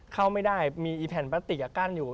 เข้ามันไม่ได้มีแผ่นประติกับกั้นอยู่